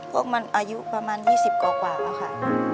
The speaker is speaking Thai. พวกมันอายุประมาณ๒๐กว่าแล้วค่ะ